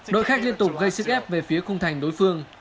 đội khách liên tục gây sức ép về phía cung thành đối phương